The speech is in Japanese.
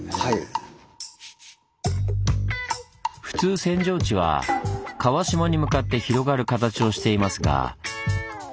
普通扇状地は川下に向かって広がる形をしていますが。